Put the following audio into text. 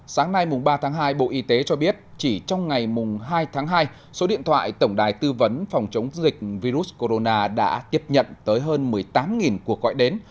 sáng nay ba tháng hai bộ y tế cho biết chỉ trong ngày hai tháng hai số điện thoại tổng đài tư vấn phòng chống dịch virus corona đã tiếp nhận tới hơn một mươi tám cuộc gọi đến